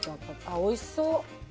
おいしそう。